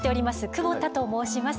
久保田と申します。